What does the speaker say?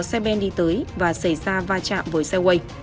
xe ben đi tới và xảy ra va chạm với xe wales